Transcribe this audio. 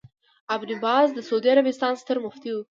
ابن باز د سعودي عربستان ستر مفتي وو